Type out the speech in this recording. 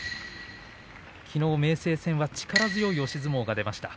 きのう明生戦は力強い押し相撲が出ました。